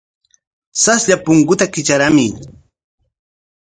Saslla punkuta kitrarkamuy.